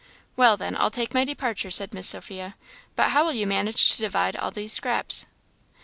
"Well, then, I'll take my departure," said Miss Sophia "but how will you manage to divide all these scraps!"